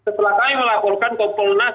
setelah kami melaporkan kompul nas